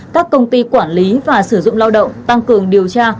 các công ty quản lý và sử dụng lao động tăng cường điều tra